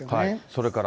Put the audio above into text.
それから。